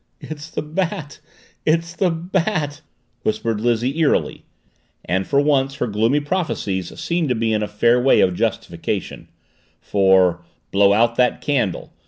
"It's the Bat it's the Bat!" whispered Lizzie eerily, and, for once her gloomy prophecies seemed to be in a fair way of justification, for "Blow out that candle!"